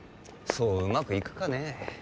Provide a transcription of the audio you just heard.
そううまくいくかねえ